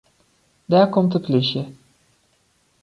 Dêr komt de polysje.